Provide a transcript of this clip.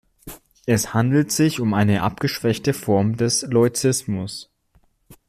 Es handelt sich um eine abgeschwächte Form des Leuzismus.